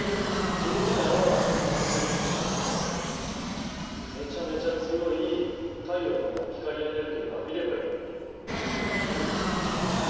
どうせなら夏の時期にめちゃめちゃ強い太陽の光エネルギーを浴びればいいのに何でそうしないんだろう？